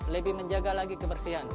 lebih menjaga lagi kebersihan